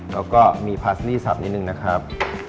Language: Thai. แล้วก็มีพาสนี่สับนิดนึงนะครับ